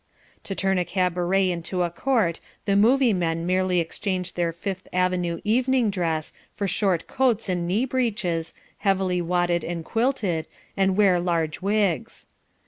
To turn a cabaret into a court the movie men merely exchange their Fifth Avenue evening dress for short coats and knee breeches, heavily wadded and quilted, and wear large wigs.